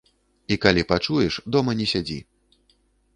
І калі пачуеш, дома не сядзі.